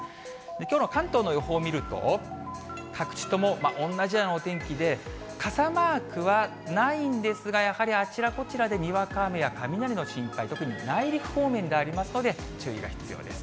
きょうの関東の予報を見ると、各地とも同じようなお天気で、傘マークはないんですが、やはりあちらこちらでにわか雨や雷の心配、特に内陸方面でありますので、注意が必要です。